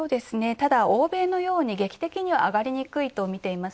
ただ、欧米のように劇的には上がりにくいとみています。